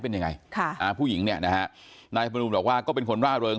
เป็นยังไงค่ะอ่าผู้หญิงเนี่ยนะฮะนายพนูลบอกว่าก็เป็นคนร่าเริง